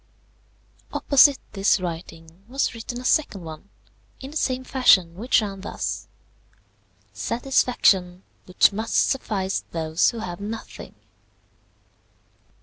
Opposite this writing was written a second one, in the same fashion, which ran thus: "SATISFACTION WHICH MUST SUFFICE THOSE WHO HAVE NOTHING.